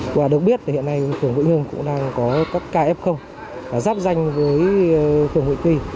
và được biết hiện nay phường vũ hương cũng đang có các ca f giáp danh với phường vũ tuy